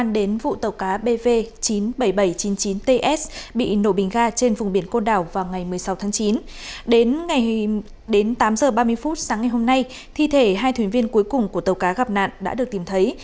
đến tám giờ ba mươi phút sáng ngày hôm nay thi thể hai thuyền viên cuối cùng của tàu cá gặp nạn đã được tìm thấy